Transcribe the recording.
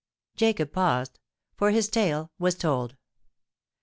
Jacob paused—for his tale was told.